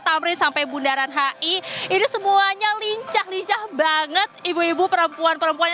tamrin sampai bundaran hi ini semuanya lincah lincah banget ibu ibu perempuan perempuan